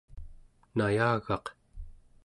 nayagaq